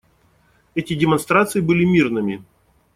Эти демонстрации были мирными.